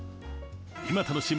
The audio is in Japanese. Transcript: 今楽しむ！